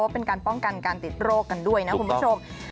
เป็นการป้องกันการติดโรคกันด้วยนะคุณผู้ชม